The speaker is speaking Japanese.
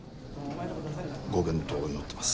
ご健闘を祈ってます。